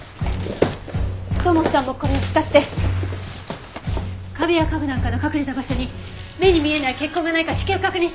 土門さんもこれを使って壁や家具なんかの隠れた場所に目に見えない血痕がないか至急確認して！